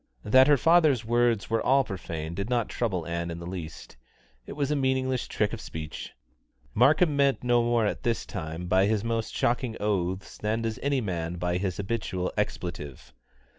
That her father's words were all profane did not trouble Ann in the least. It was a meaningless trick of speech. Markham meant no more at this time by his most shocking oaths than does any man by his habitual expletive.